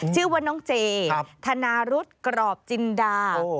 ชื่อว่าน้องเจธนารุษกรอบจินดา